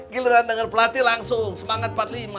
giliran dengan pelatih langsung semangat empat puluh lima